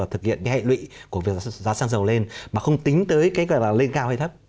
thực hiện hệ lụy của giá xăng dầu lên mà không tính tới lên cao hay thấp